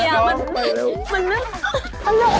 เดี๋ยวมันมันเริ่มเดี๋ยว